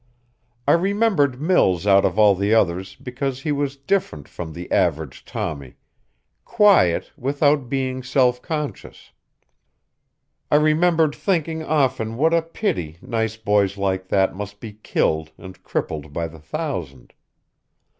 I remembered Mills out of all the others because he was different from the average Tommy, quiet without being self conscious. I remembered thinking often what a pity nice boys like that must be killed and crippled by the thousand.